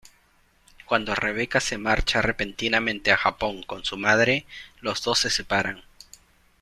Cuando Rebecca se marcha repentinamente a Japón con su madre, los dos se separan.